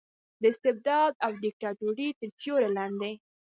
د استبداد او دیکتاتورۍ تر سیورې لاندې